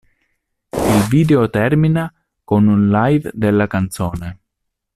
Il video termina con un live della canzone.